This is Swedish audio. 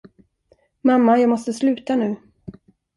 Mamma, jag måste sluta nu.